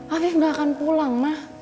afif gak akan pulang